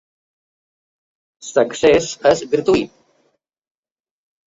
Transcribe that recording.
L'accés és gratuït.